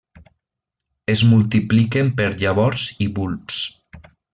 Es multipliquen per llavors i bulbs.